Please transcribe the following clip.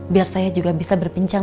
biar saya juga bisa berpincang